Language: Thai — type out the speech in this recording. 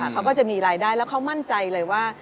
เขาก็จะมีรายได้แล้วเขามั่นใจเลยว่า